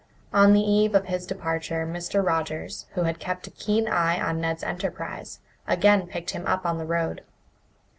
On the eve of his departure Mr. Rogers, who had kept a keen eye on Ned's enterprise, again picked him up on the road.